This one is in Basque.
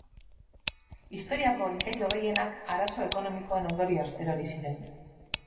Historiako inperio gehienak arazo ekonomikoen ondorioz erori ziren.